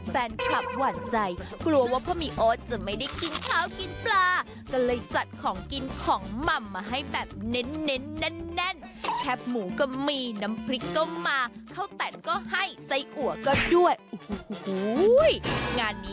แฟนคลับหวั่นใจกลัวว่าพ่อหมี่โอ๊ตจะไม่ได้กินข้าวกินปลาก็เลยจัดของกินของม่ำมาให้แบบเน้น